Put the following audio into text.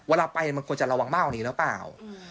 เวลาไปมันควรจะระวังมากกว่านี้หรือเปล่า